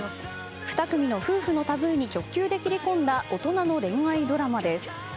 ２組の夫婦のタブーに直球で切り込んだ大人の恋愛ドラマです。